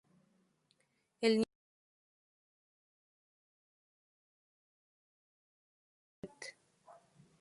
El New York Times la denominó "the Brownie of the personal computing set".